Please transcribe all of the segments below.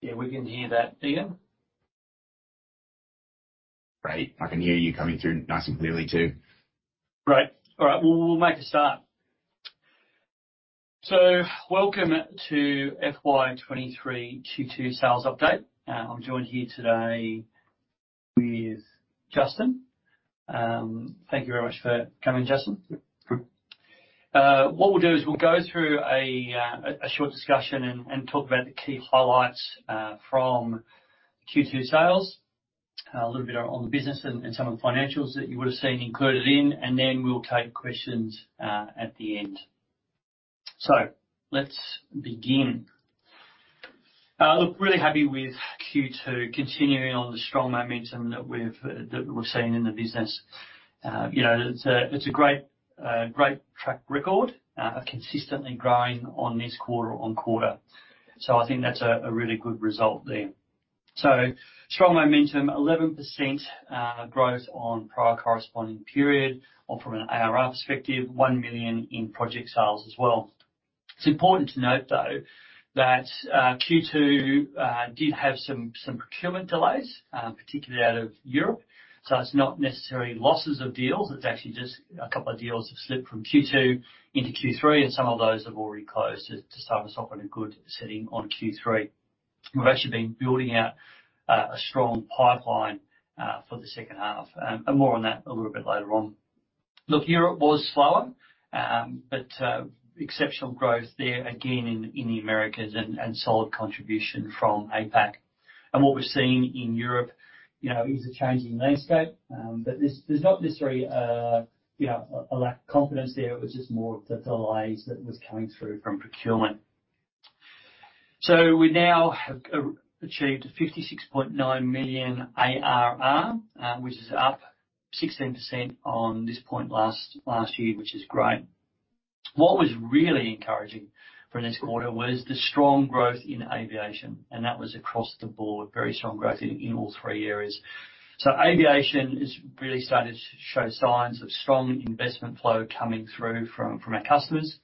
Yeah, we can hear that, Ian. Great. I can hear you coming through nice and clearly too. Great. All right, well, we'll make a start. Welcome to FY 2023 Q2 sales update. I'm joined here today with Justin. Thank you very much for coming, Justin. Good. What we'll do is we'll go through a short discussion and talk about the key highlights from Q2 sales. A little bit on the business and some of the financials that you would've seen included in. We'll take questions at the end. Let's begin. Look, really happy with Q2 continuing on the strong momentum that we've seen in the business. You know, it's a great track record, consistently growing on this quarter-on-quarter. I think that's a really good result there. Strong momentum, 11% growth on prior corresponding period or from an ARR perspective, 1 million in project sales as well. It's important to note though that Q2 did have some procurement delays, particularly out of Europe. It's not necessarily losses of deals, it's actually just a couple of deals have slipped from Q2 into Q3, and some of those have already closed to start us off on a good setting on Q3. We've actually been building out a strong pipeline for the second half. More on that a little bit later on. Look, Europe was slower, exceptional growth there again in the Americas and solid contribution from APAC. What we're seeing in Europe, you know, is a changing landscape. There's not necessarily a, you know, a lack of confidence there. It was just more of the delays that was coming through from procurement. We now have achieved 56.9 million ARR, which is up 16% on this point last year, which is great. What was really encouraging for this quarter was the strong growth in aviation. That was across the board, very strong growth in all three areas. Aviation is really starting to show signs of strong investment flow coming through from our customers.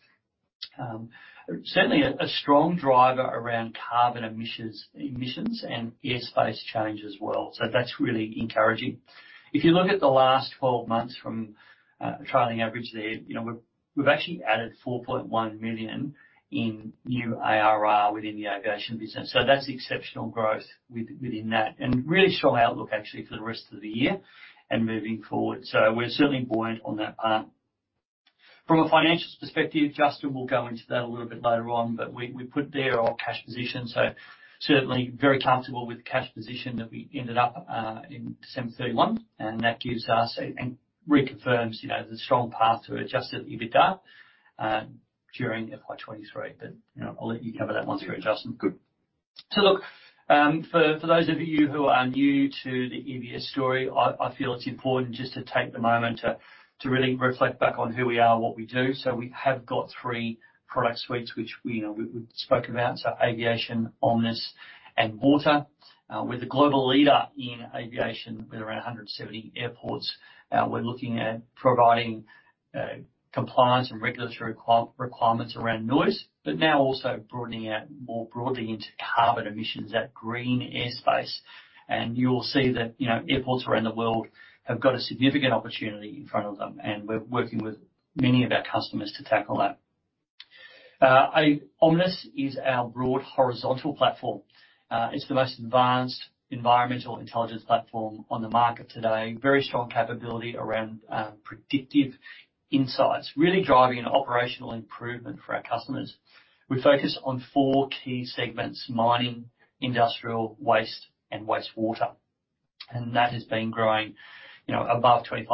Certainly a strong driver around Carbon Emissions and airspace change as well. That's really encouraging. If you look at the last 12 months from a trailing average there, you know, we've actually added 4.1 million in new ARR within the aviation business. That's exceptional growth within that and really strong outlook actually for the rest of the year and moving forward. We're certainly buoyant on that front. From a financials perspective, Justin will go into that a little bit later on, we put there our cash position. Certainly very comfortable with the cash position that we ended up in December 31. That gives us and reconfirms, you know, the strong path to Adjusted EBITDA during FY 2023. You know, I'll let you cover that one for me, Justin. Good. Look, for those of you who are new to the EVS story, I feel it's important just to take the moment to really reflect back on who we are, what we do. We have got three product suites, which, you know, we spoke about. Aviation, Omnis, and water. We're the global leader in aviation with around 170 airports. We're looking at providing compliance and regulatory requirements around noise, but now also broadening out more broadly into carbon emissions, that green airspace. You'll see that, you know, airports around the world have got a significant opportunity in front of them, and we're working with many of our customers to tackle that. Omnis is our broad horizontal platform. It's the most advanced environmental intelligence platform on the market today. Very strong capability around predictive insights, really driving an operational improvement for our customers. We focus on four key segments, mining, industrial, waste, and wastewater. That has been growing, you know, above 25%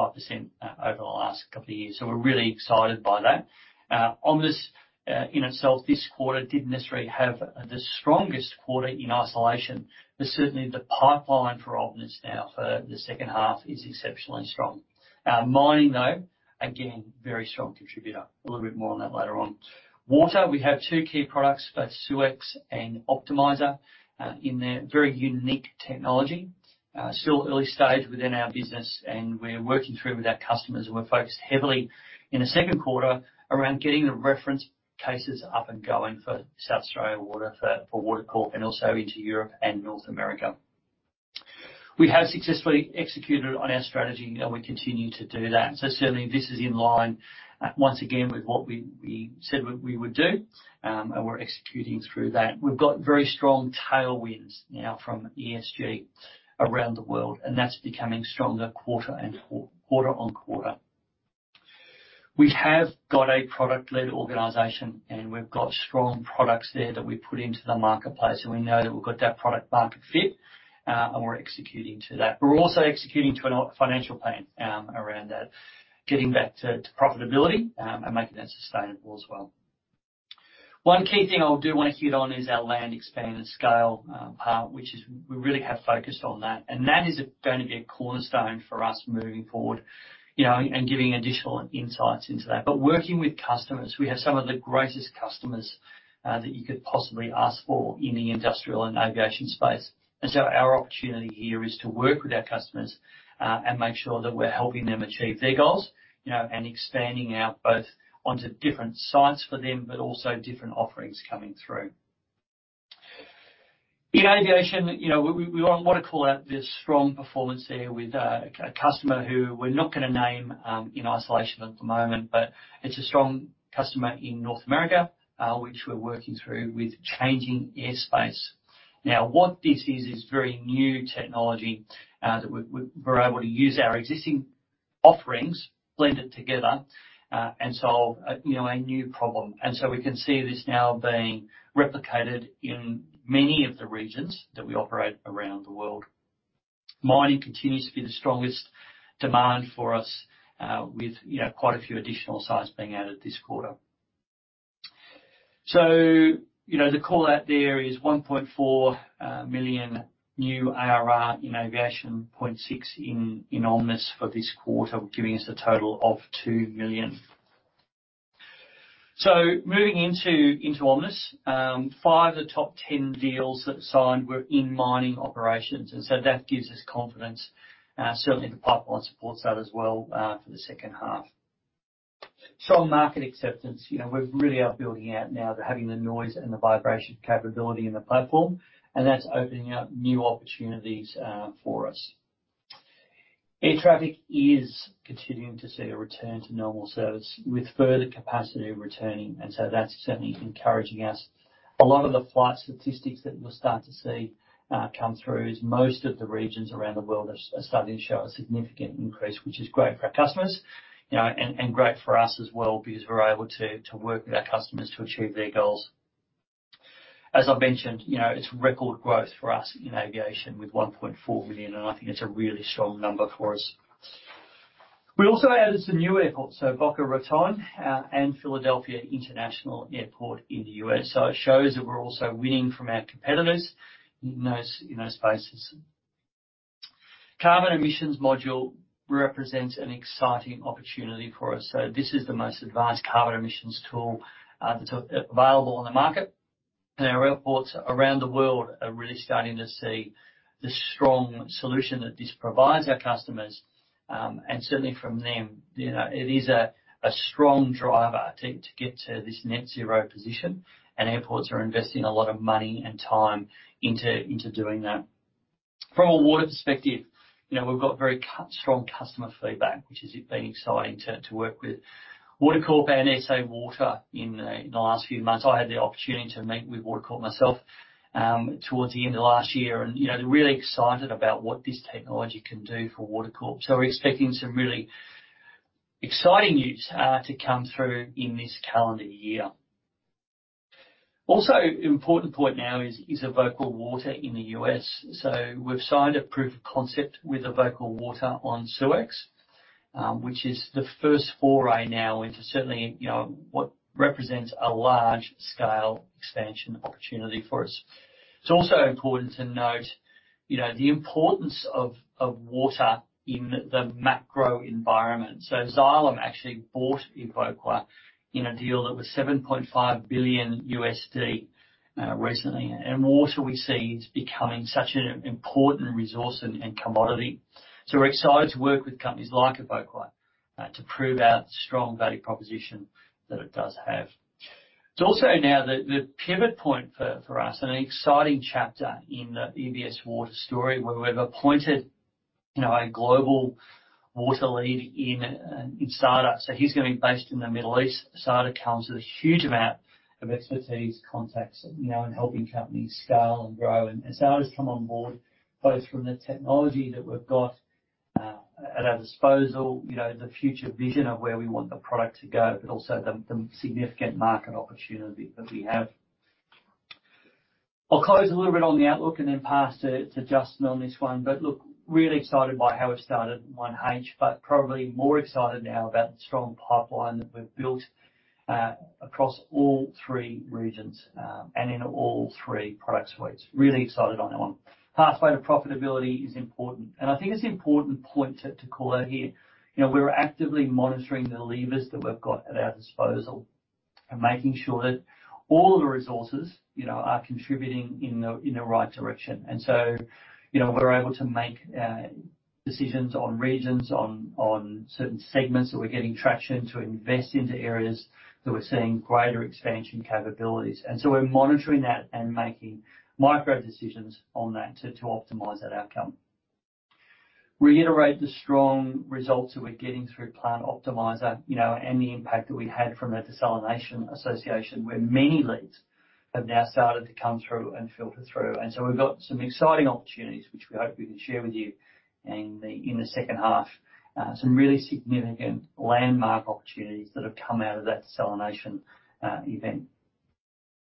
over the last couple of years. We're really excited by that. Omnis in itself this quarter didn't necessarily have the strongest quarter in isolation, but certainly the pipeline for Omnis now for the second half is exceptionally strong. Our mining though, again, very strong contributor. A little bit more on that later on. Water, we have two key products, both SeweX and Optimiser, in their very unique technology. Still early stage within our business and we are working through with our customers and we're focused heavily in the second quarter around getting the reference cases up and going for South Australia Water, for Water Corp, and also into Europe and North America. We have successfully executed on our strategy and we continue to do that. Certainly this is in line once again with what we said we would do, and we're executing through that. We've got very strong tailwinds now from ESG around the world, and that's becoming stronger quarter-on-quarter. We have got a product-led organization, and we've got strong products there that we put into the marketplace, and we know that we've got that product market fit, and we're executing to that. We're also executing to a financial plan around that, getting back to profitability and making that sustainable as well. One key thing I do wanna hit on is our Land, Expand and Scale part, which is we really have focused on that, and that is going to be a cornerstone for us moving forward, you know, and giving additional insights into that. Working with customers, we have some of the greatest customers that you could possibly ask for in the industrial and aviation space. Our opportunity here is to work with our customers and make sure that we're helping them achieve their goals, you know, and expanding out both onto different sites for them, but also different offerings coming through. In aviation, you know, we wanna call out the strong performance there with a customer who we're not gonna name in isolation at the moment, but it's a strong customer in North America, which we're working through with changing airspace. Now, what this is very new technology that we're able to use our existing offerings, blend it together, and solve, you know, a new problem. We can see this now being replicated in many of the regions that we operate around the world. Mining continues to be the strongest demand for us, with, you know, quite a few additional sites being added this quarter. You know, the call out there is 1.4 million new ARR in aviation, 0.6 million in Omnis for this quarter, giving us a total of 2 million. Moving into Omnis, five of the top 10 deals that signed were in mining operations. That gives us confidence. Certainly the pipeline supports that as well for the second half. Strong market acceptance. You know, we really are building out now to having the noise and the vibration capability in the platform, and that's opening up new opportunities for us. Air traffic is continuing to see a return to normal service with further capacity returning. That's certainly encouraging us. A lot of the flight statistics that we'll start to see come through is most of the regions around the world are starting to show a significant increase, which is great for our customers, you know, and great for us as well because we're able to work with our customers to achieve their goals. As I mentioned, you know, it's record growth for us in aviation with 1.4 million, and I think it's a really strong number for us. We also added some new airports, Boca Raton and Philadelphia International Airport in the U.S. It shows that we're also winning from our competitors in those spaces. Carbon Emissions module represents an exciting opportunity for us. This is the most advanced carbon emissions tool that's available on the market. Our airports around the world are really starting to see the strong solution that this provides our customers. Certainly from them, you know, it is a strong driver to get to this Net Zero position. Airports are investing a lot of money and time into doing that. From a water perspective, you know, we've got very strong customer feedback, which has been exciting to work with Water Corp and SA Water in the last few months. I had the opportunity to meet with Water Corp myself towards the end of last year. They're really excited about what this technology can do for Water Corp. We're expecting some really exciting news to come through in this calendar year. Important point now is Evoqua Water in the U.S. We've signed a proof of concept with Evoqua Water on SeweX, which is the first foray now into certainly, you know, what represents a large-scale expansion opportunity for us. It's also important to note, you know, the importance of water in the macro environment. Xylem actually bought Evoqua in a deal that was $7.5 billion recently. Water we see is becoming such an important resource and commodity. We're excited to work with companies like Evoqua to prove our strong value proposition that it does have. It's also now the pivot point for us, and an exciting chapter in the EVS Water story where we've appointed, you know, a global water lead in Sada. He's going to be based in the Middle East. Sada comes with a huge amount of expertise, contacts, you know, and helping companies scale and grow. As Sada's come on board, both from the technology that we've got at our disposal, you know, the future vision of where we want the product to go, but also the significant market opportunity that we have. I'll close a little bit on the outlook and then pass to Justin on this one. Look, really excited by how we've started in H1, but probably more excited now about the strong pipeline that we've built across all three regions and in all three product suites. Really excited on that one. Pathway to profitability is important, and I think it's an important point to call out here. You know, we're actively monitoring the levers that we've got at our disposal and making sure that all of the resources, you know, are contributing in the right direction. We're able to make decisions on regions, on certain segments that we're getting traction to invest into areas that we're seeing greater expansion capabilities. We're monitoring that and making micro decisions on that to optimize that outcome. Reiterate the strong results that we're getting through Plant Optimizer, you know, and the impact that we had from that desalination association where many leads have now started to come through and filter through. We've got some exciting opportunities which we hope we can share with you in the second half. Some really significant landmark opportunities that have come out of that desalination event.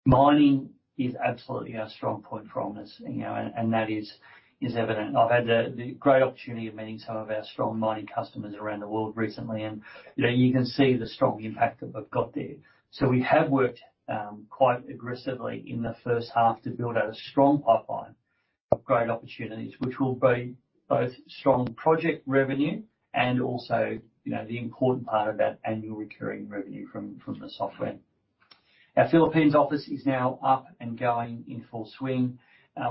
Mining is absolutely our strong point for Omnis, you know, and that is evident. I've had the great opportunity of meeting some of our strong mining customers around the world recently. You know, you can see the strong impact that we've got there. We have worked quite aggressively in the first half to build out a strong pipeline of great opportunities, which will be both strong project revenue and also, you know, the important part of that annual recurring revenue from the software. Our Philippines office is now up and going in full swing.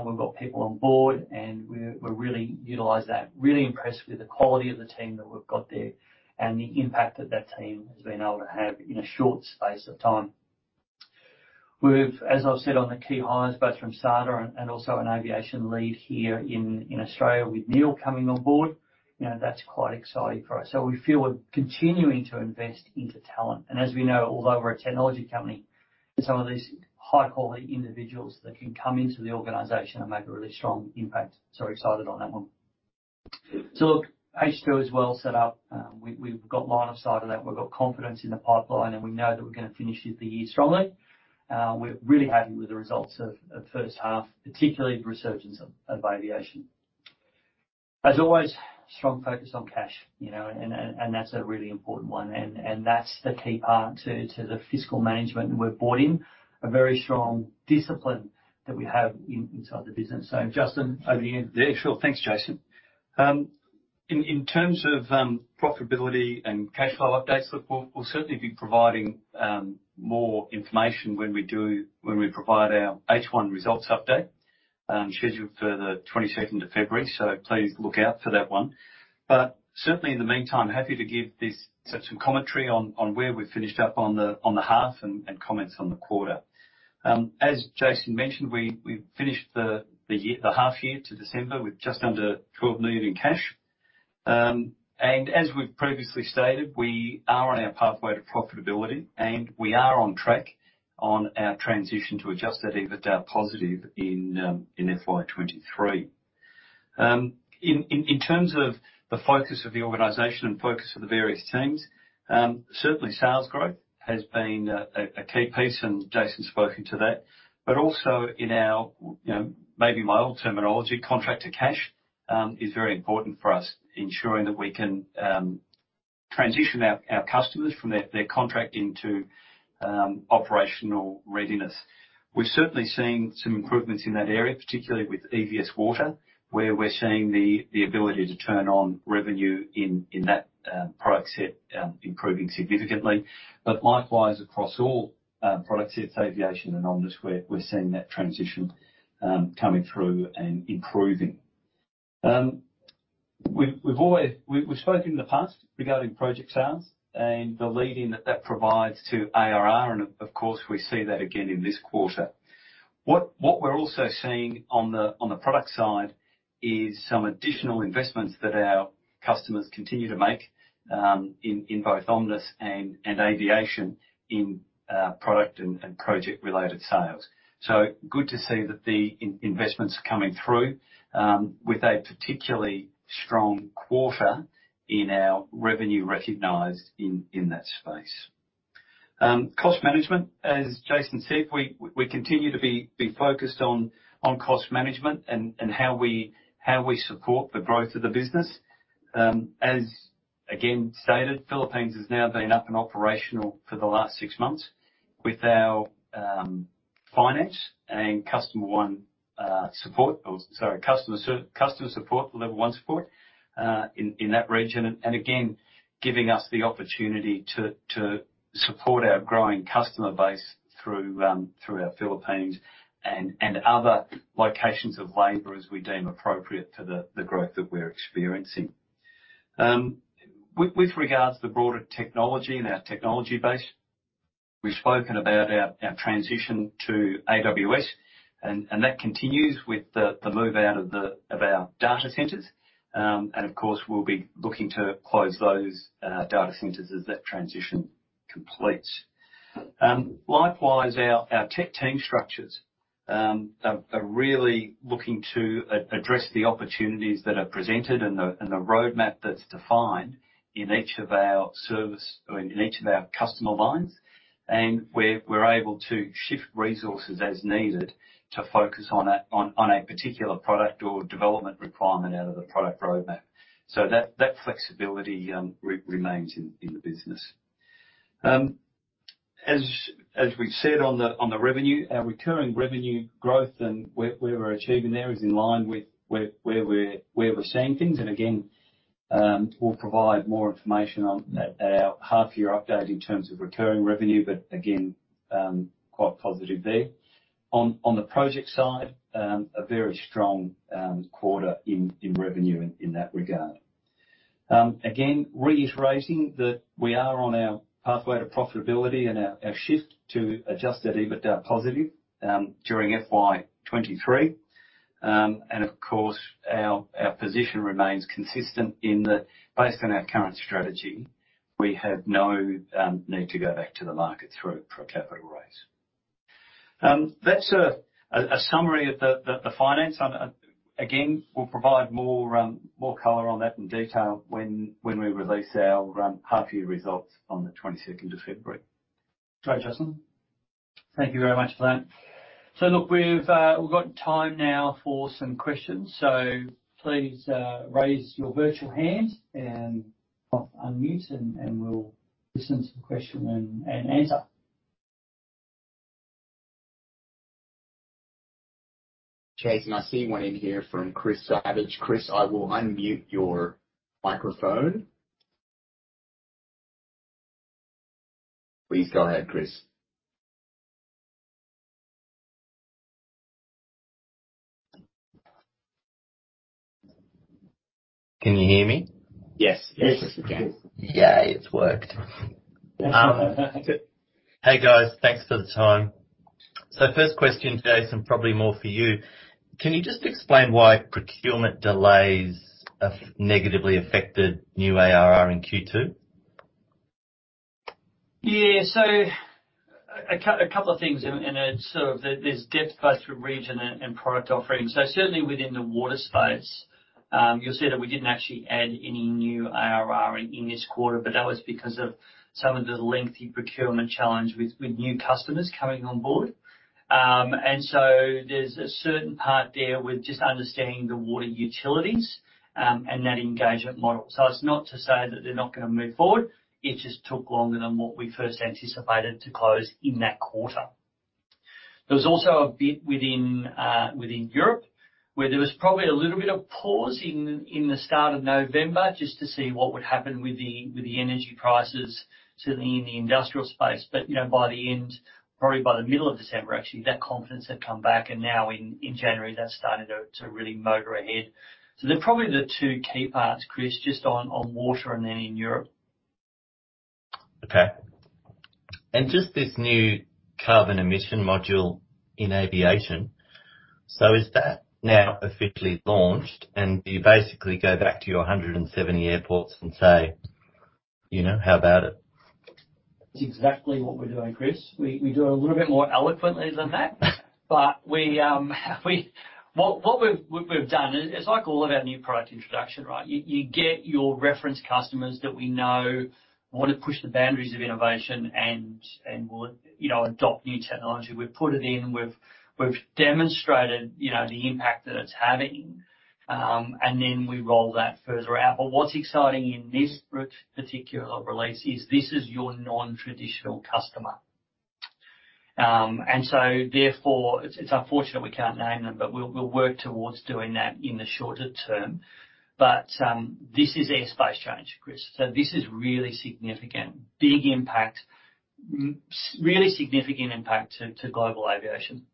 We've got people on board, and we're really utilize that. Really impressed with the quality of the team that we've got there and the impact that that team has been able to have in a short space of time. We've, as I've said, on the key hires, both from Sada and also an aviation lead here in Australia with Neil coming on board, you know, that's quite exciting for us. We feel we're continuing to invest into talent. As we know, although we're a technology company, some of these high-quality individuals that can come into the organization and make a really strong impact. Excited on that one. Look, H2 is well set up. We've got line of sight of that. We've got confidence in the pipeline, and we know that we're gonna finish the year strongly. We're really happy with the results of first half, particularly the resurgence of aviation. As always, strong focus on cash, you know, and that's a really important one. That's the key part to the fiscal management, and we've brought in a very strong discipline that we have inside the business. Justin, over to you. Yeah, sure. Thanks, Jason. In terms of profitability and cash flow updates, look, we'll certainly be providing more information when we provide our H1 results update, scheduled for the 22nd of February. Please look out for that one. Certainly in the meantime, happy to give some commentary on where we've finished up on the half and comments on the quarter. As Jason mentioned, we've finished the half year to December with just under 12 million in cash. As we've previously stated, we are on our pathway to profitability, and we are on track on our transition to Adjusted EBITDA positive in FY 2023. In terms of the focus of the organization and focus of the various teams, certainly sales growth has been a key piece, and Jason's spoken to that. Also in our, you know, maybe my old terminology, contract-to-cash, is very important for us. Ensuring that we can transition our customers from their contract into operational readiness. We've certainly seen some improvements in that area, particularly with EVS Water, where we're seeing the ability to turn on revenue in that product set improving significantly. Likewise across all product sets, aviation and Omnis, we're seeing that transition coming through and improving. We've spoken in the past regarding project sales and the lead-in that provides to ARR, and of course, we see that again in this quarter. What we're also seeing on the product side is some additional investments that our customers continue to make in both Omnis and aviation in product and project related sales. Good to see that the investments are coming through with a particularly strong quarter in our revenue recognized in that space. Cost management, as Jason said, we continue to be focused on cost management and how we support the growth of the business. As again stated, Philippines has now been up and operational for the last six months with our finance and customer support, level one support in that region. Again, giving us the opportunity to support our growing customer base through our Philippines and other locations of labor as we deem appropriate for the growth that we're experiencing. With regards to the broader technology and our technology base, we've spoken about our transition to AWS, and that continues with the move out of our data centers. Of course we'll be looking to close those data centers as that transition completes. Likewise, our tech team structures are really looking to address the opportunities that are presented and the roadmap that's defined in each of our service or in each of our customer lines. We're able to shift resources as needed to focus on a particular product or development requirement out of the product roadmap. That flexibility remains in the business. As we've said on the revenue, our recurring revenue growth and where we're achieving there is in line with where we're seeing things. Again, we'll provide more information on that at our half year update in terms of recurring revenue. Again, quite positive there. On the project side, a very strong quarter in revenue in that regard. Again, reiterating that we are on our pathway to profitability and our shift to Adjusted EBITDA positive during FY 2023. Of course our position remains consistent in that based on our current strategy, we have no need to go back to the market for a capital raise. That's a summary of the, the finance. Again, we'll provide more, more color on that in detail when we release our half year results on the 22nd of February. Great, Justin. Thank you very much for that. Look, we've got time now for some questions. Please raise your virtual hand and off unmute and we'll listen to the question-and-answer. Jason, I see one in here from Chris Savage. Chris, I will unmute your microphone. Please go ahead, Chris. Can you hear me? Yes. Yes. Yay, it's worked. Hey, guys. Thanks for the time. First question, Jason, probably more for you. Can you just explain why procurement delays have negatively affected new ARR in Q2? Yeah. A couple of things and it's sort of the, this depth both through region and product offerings. Certainly within the water space, you'll see that we didn't actually add any new ARR in this quarter, but that was because of some of the lengthy procurement challenge with new customers coming on board. There's a certain part there with just understanding the water utilities, and that engagement model. It's not to say that they're not gonna move forward, it just took longer than what we first anticipated to close in that quarter. There was also a bit within Europe where there was probably a little bit of pause in the start of November just to see what would happen with the, with the energy prices, certainly in the industrial space. You know, by the end, probably by the middle of December actually, that confidence had come back and now in January that's started to really motor ahead. They're probably the two key parts, Chris, just on water and then in Europe. Okay. Just this new Carbon Emissions module in aviation, is that now officially launched and do you basically go back to your 170 airports and say, you know, "How about it? That's exactly what we're doing, Chris. We do it a little bit more eloquently than that. What we've done is, it's like all of our new product introduction, right? You get your reference customers that we know want to push the boundaries of innovation and will, you know, adopt new technology. We've put it in. We've demonstrated, you know, the impact that it's having, and then we roll that further out. What's exciting in this particular release is this is your non-traditional customer. Therefore it's unfortunate we can't name them, but we'll work towards doing that in the shorter term. This is airspace change, Chris, so this is really significant. Big impact. Really significant impact to global aviation.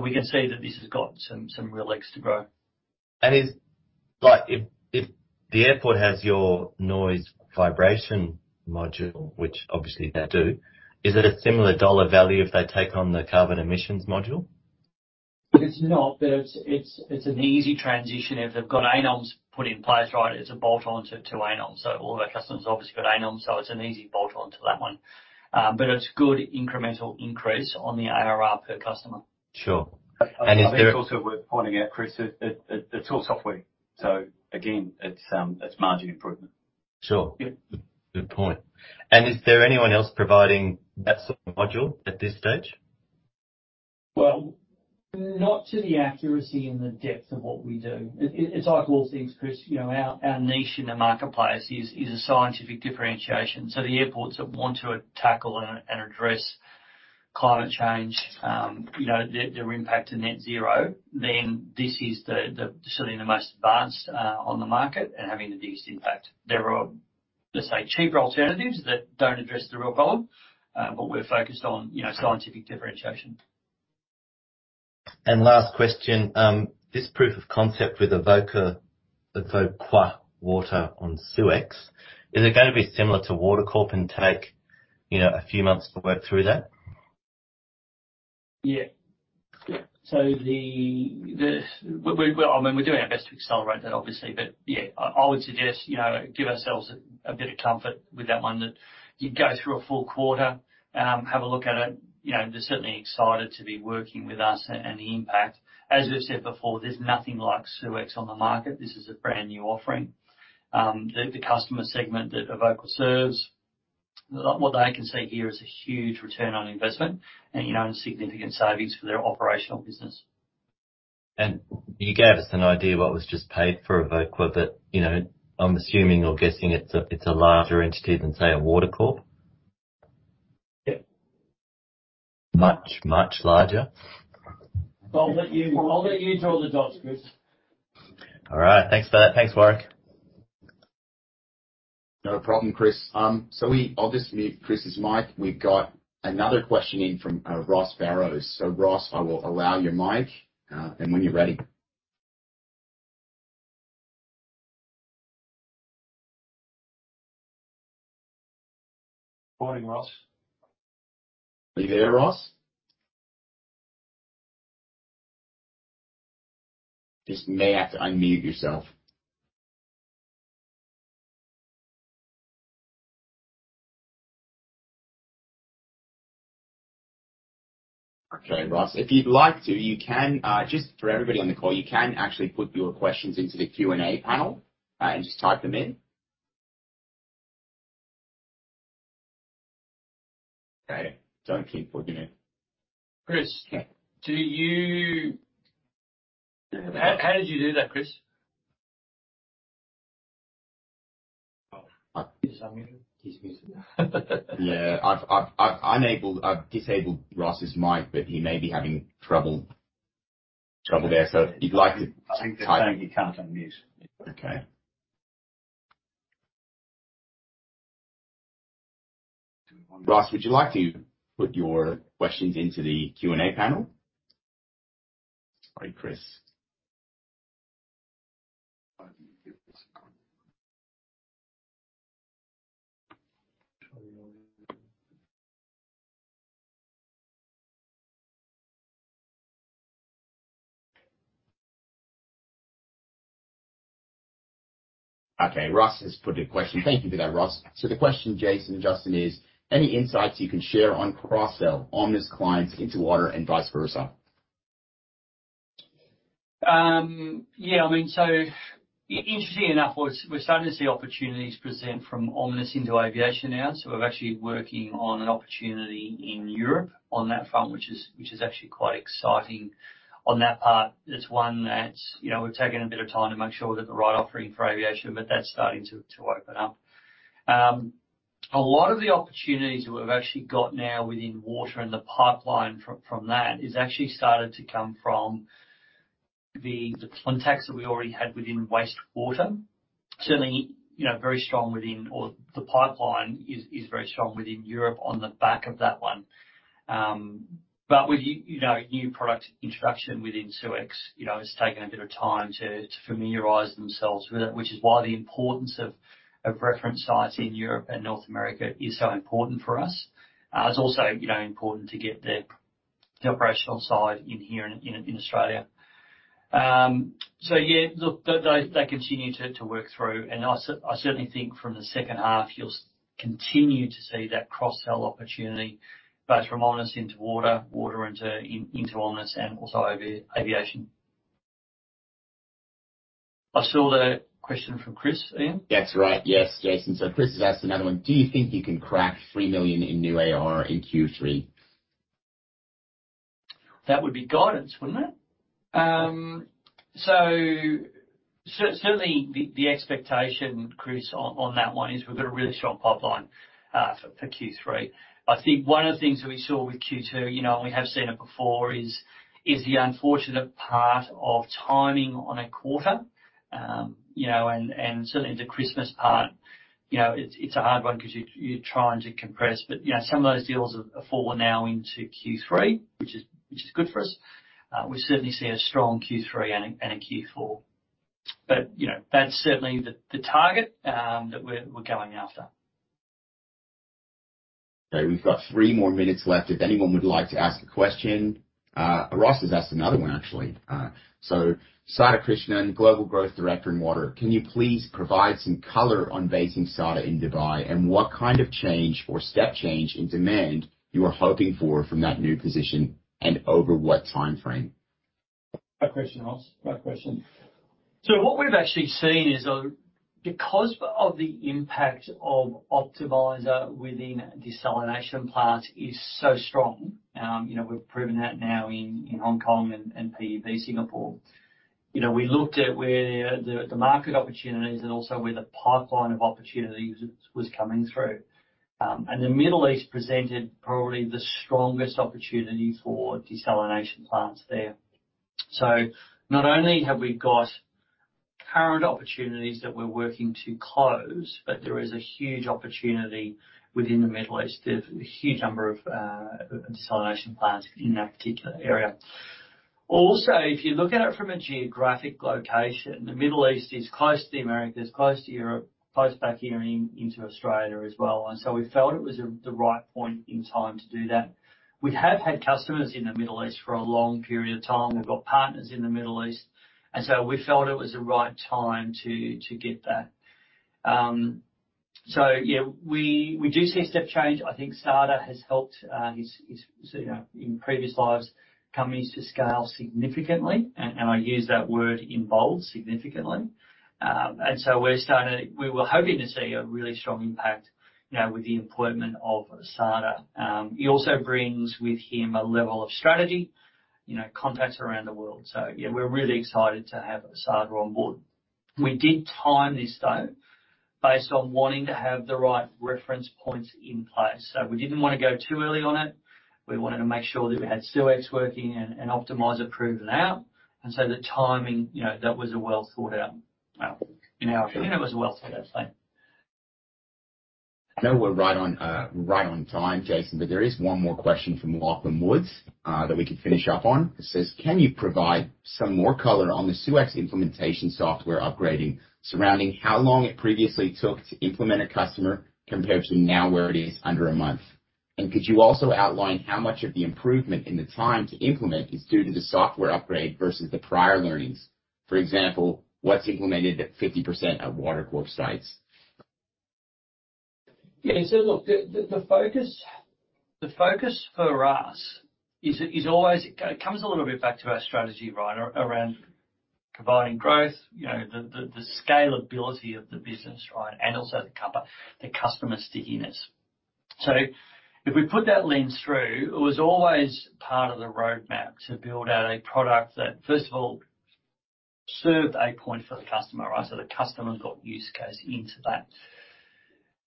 We can see that this has got some real legs to grow. Is, like, if the airport has your noise vibration module, which obviously they do, is it a similar dollar value if they take on the Carbon Emissions module? It's not, but it's an easy transition. If they've got ANOMS put in place, right, it's a bolt on to ANOMS. All of our customers have obviously got ANOMS, so it's an easy bolt on to that one. It's good incremental increase on the ARR per customer. Sure. I think it's also worth pointing out, Chris, it's all software, so again, it's margin improvement. Sure. Yeah. Good point. Is there anyone else providing that sort of module at this stage? Not to the accuracy and the depth of what we do. It's like all things, Chris, you know, our niche in the marketplace is a scientific differentiation. The airports that want to tackle and address climate change, you know, their impact to Net Zero, this is certainly the most advanced on the market and having the biggest impact. There are, let's say, cheaper alternatives that don't address the real problem, we're focused on, you know, scientific differentiation. Last question. This proof of concept with Evoqua Water on SeweX, is it gonna be similar to Water Corp and take, you know, a few months to work through that? Yeah. Yeah. The, I mean, we're doing our best to accelerate that, obviously. Yeah, I would suggest, you know, give ourselves a bit of comfort with that one, that you go through a full quarter, have a look at it. You know, they're certainly excited to be working with us and the impact. As we've said before, there's nothing like SeweX on the market. This is a brand new offering. The customer segment that Evoqua serves, what they can see here is a huge return on investment and, you know, significant savings for their operational business. You gave us an idea what was just paid for Evoqua, but you know, I'm assuming or guessing it's a larger entity than, say, a Water Corp. Yeah. Much, much larger? I'll let you do all the dots, Chris. All right. Thanks for that. Thanks, Warwick. No problem, Chris. I'll just mute Chris's mic. We've got another question in from Ross Barrows. Ross, I will allow your mic, and when you're ready. Morning, Ross. Are you there, Ross? Just may have to unmute yourself. Okay, Ross. If you'd like to, you can, just for everybody on the call, you can actually put your questions into the Q&A panel, and just type them in. Okay. Don't keep putting. Chris. Yeah. How did you do that, Chris? Dismute. Dismute. Yeah. I've disabled Ross's mic, but he may be having trouble there. If you'd like to type- I think he's saying he can't unmute. Okay. Ross, would you like to put your questions into the Q&A panel? Sorry, Chris. Okay, Ross has put a question. Thank you for that, Ross. The question, Jason and Justin, is: Any insights you can share on cross-sell Omnis clients into water and vice versa? Yeah, I mean, interestingly enough, we're starting to see opportunities present from Omnis into aviation now. We're actually working on an opportunity in Europe on that front, which is actually quite exciting on that part. It's one that, you know, we've taken a bit of time to make sure we've got the right offering for aviation, but that's starting to open up. A lot of the opportunities we've actually got now within water and the pipeline from that has actually started to come from the contacts that we already had within wastewater. Certainly, you know, or the pipeline is very strong within Europe on the back of that one. But with you know, new product introduction within SUEZ, you know, it's taken a bit of time to familiarize themselves with it, which is why the importance of reference sites in Europe and North America is so important for us. It's also, you know, important to get the operational side in here in Australia. So yeah, look, they continue to work through. I certainly think from the second half you'll continue to see that cross-sell opportunity, both from Omnis into water into Omnis and also aviation. I saw a question from Chris, Ian. That's right, yes, Jason. Chris has asked another one: Do you think you can crack 3 million in new ARR in Q3? That would be guidance, wouldn't it? Certainly the expectation, Chris, on that one is we've got a really strong pipeline for Q3. I think one of the things that we saw with Q2, you know, and we have seen it before, is the unfortunate part of timing on a quarter. You know, and certainly the Christmas part, you know, it's a hard one 'cause you're trying to compress. You know, some of those deals have fallen now into Q3, which is good for us. We certainly see a strong Q3 and a Q4. You know, that's certainly the target that we're going after. Okay, we've got three more minutes left if anyone would like to ask a question. Ross has asked another one, actually. Sadar Krishnan, Global Growth Director - Water. Can you please provide some color on basing Sada in Dubai, and what kind of change or step change in demand you are hoping for from that new position, and over what timeframe? Great question, Ross. Great question. What we've actually seen is because of the impact of EVS Water Plant Optimiser within desalination plants is so strong, you know, we've proven that now in Hong Kong and PUB Singapore. We looked at where the market opportunities and also where the pipeline of opportunities was coming through. The Middle East presented probably the strongest opportunity for desalination plants there. Not only have we got current opportunities that we're working to close, but there is a huge opportunity within the Middle East. There's a huge number of desalination plants in that particular area. If you look at it from a geographic location, the Middle East is close to the Americas, close to Europe, close back here into Australia as well, we felt it was the right point in time to do that. We have had customers in the Middle East for a long period of time. We've got partners in the Middle East, we felt it was the right time to get that. Yeah, we do see a step change. I think Sadar has helped his, you know, in previous lives, companies to scale significantly. And I use that word in bold, significantly. We were hoping to see a really strong impact, you know, with the appointment of Sadar. He also brings with him a level of strategy, you know, contacts around the world. Yeah, we're really excited to have Sada on board. We did time this, though, based on wanting to have the right reference points in place. We didn't wanna go too early on it. We wanted to make sure that we had SeweX working and Optimizer proven out. The timing, you know, Well, in our opinion it was a well-thought-out plan. I know we're right on, right on time, Jason. There is one more question from Lachlan Wood that we can finish up on. It says, "Can you provide some more color on the SUEZ implementation software upgrading surrounding how long it previously took to implement a customer compared to now where it is under a month? And could you also outline how much of the improvement in the time to implement is due to the software upgrade versus the prior learnings? For example, what's implemented at 50% of Water Corp sites? Yeah. Look, the focus for us is always. It comes a little bit back to our strategy, right. Around combining growth, you know, the scalability of the business, right. Also the customer stickiness. If we put that lens through, it was always part of the roadmap to build out a product that first of all served a point for the customer, right. The customer got use case into that.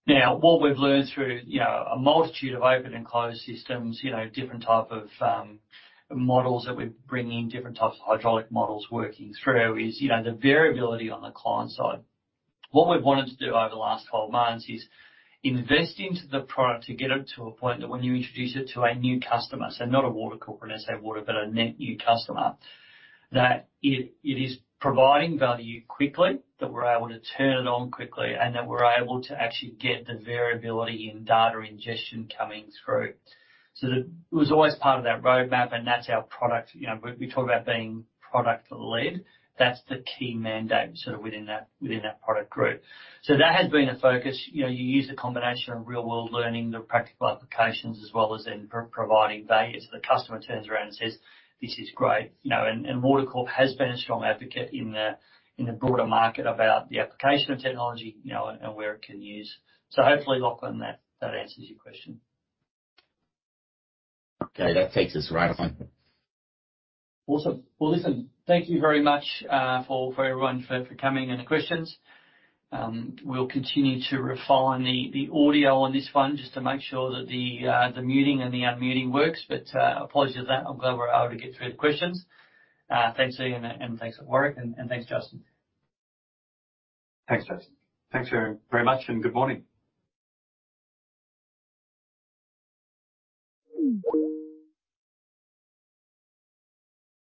What we've learned through, you know, a multitude of open and closed systems, you know, different type of models that we're bringing, different types of hydraulic models working through is, you know, the variability on the client side. What we've wanted to do over the last 12 months is invest into the product to get it to a point that when you introduce it to a new customer, so not a Water Corp or an SA Water, but a net new customer, that it is providing value quickly, that we're able to turn it on quickly, and that we're able to actually get the variability in data ingestion coming through. The It was always part of that roadmap, and that's our product. You know, we talk about being product led. That's the key mandate sort of within that, within that product group. That has been a focus. You know, you use a combination of real world learning, the practical applications, as well as then providing value. The customer turns around and says, "This is great." You know, Water Corp has been a strong advocate in the, in the broader market about the application of technology, you know, and where it can use. Hopefully, Lachlan, that answers your question. Okay. That takes us right on. Awesome. Well, listen, thank you very much, for everyone for coming and the questions. We'll continue to refine the audio on this one just to make sure that the muting and the unmuting works. Apologies for that. I'm glad we were able to get through the questions. Thanks, Ian, and thanks, Warwick, and thanks, Justin. Thanks, Jason. Thanks very, very much. Good morning.